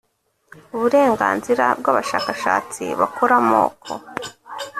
uburenganzira bw abashakashatsi bakora amoko